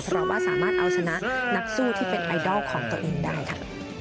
เพราะว่าสามารถเอาชนะนักสู้ที่เป็นไอดอลของตัวเองได้ค่ะ